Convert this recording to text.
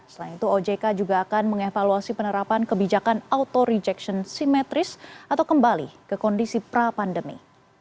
selain itu ojk juga akan mengevaluasi penerapan kebijakan auto rejection simetris atau kembali ke kondisi pra pandemi